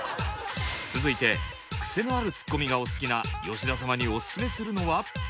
続いてクセのあるツッコミがお好きな吉田様にオススメするのは。